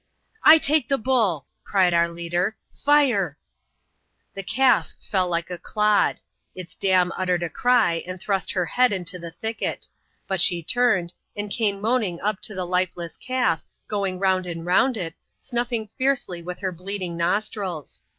"I take the buU," cried our leader •,*^ &ce\'' 222 ADVENTURES IN THE SOUTH SEA& [chap.lvh. The calf fell like a clod ; its dam uttered a cry, and thrust her head into the thicket ; but she turned, and came moaning up to the lifeless calf, going round and round it, snuAng fiercely with her bleeding nostrils.